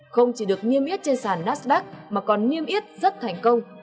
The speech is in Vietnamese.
không chỉ được niêm yết trên sàn nasdaq mà còn niêm yết rất thành công